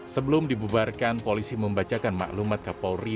sebelum dibubarkan polisi membacakan maklumat kapolri